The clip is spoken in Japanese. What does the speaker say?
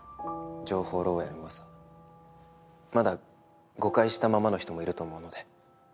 情報漏洩の噂まだ誤解したままの人もいると思うので。